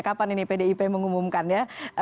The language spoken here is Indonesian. kapan ini pdip mengumumkan ya